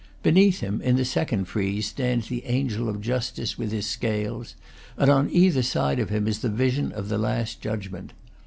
Beneath him, in the second frieze, stands the angel of justice, with his scales; and on either side of him is the vision of the last judgment.